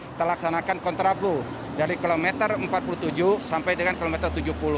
kita laksanakan kontraplu dari kilometer empat puluh tujuh sampai dengan kilometer tujuh puluh